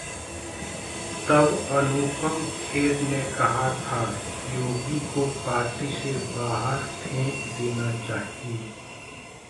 ...तब अनुपम खेर ने कहा था- योगी को पार्टी से बाहर फेंक देना चाहिए